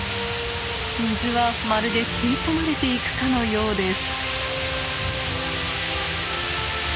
水はまるで吸い込まれていくかのようです。